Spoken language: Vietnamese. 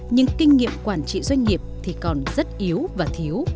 nhưng kinh nghiệm quản trị doanh nghiệp thì còn rất yếu và thiếu